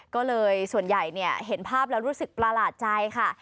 ก็เลยส่วนใหญ่เห็นภาพแล้วรู้สึกประหลาดใจค่ะ